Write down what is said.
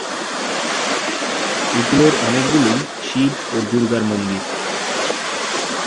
এগুলির অনেকগুলিই শিব ও দুর্গার মন্দির।